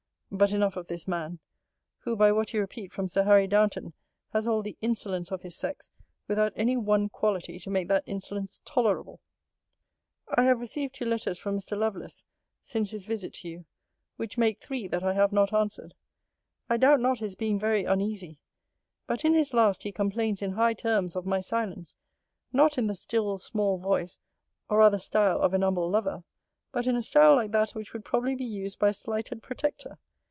But enough of this man; who, by what you repeat from Sir Harry Downeton, has all the insolence of his sex, without any one quality to make that insolence tolerable. I have receive two letters from Mr. Lovelace, since his visit to you; which make three that I have not answered. I doubt not his being very uneasy; but in his last he complains in high terms of my silence; not in the still small voice, or rather style of an humble lover, but in a style like that which would probably be used by a slighted protector.